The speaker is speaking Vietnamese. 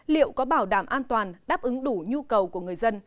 liệu có bảo đảm an toàn đáp ứng đủ nhu cầu của người dân